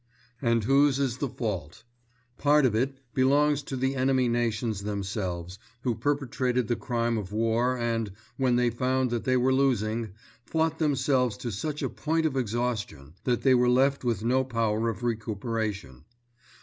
And whose is the fault? Part of it belongs to the enemy nations themselves who perpetrated the crime of war and, when they found that they were losing, fought themselves to such a point of exhaustion that they were left with no power of recuperation.